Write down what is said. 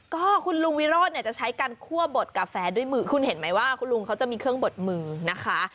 ก็คุณลุงวิโรธเนี่ยจะใช้การคั่วบดกาแฟด้วยมือคุณเห็นไหมว่าคุณลุงเขาจะมีเครื่องบดมือนะคะ